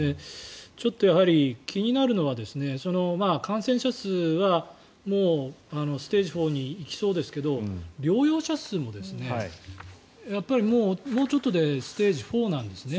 やはり気になるのは感染者数はステージ４に行きそうですけど療養者数もやっぱり、もうちょっとでステージ４なんですね。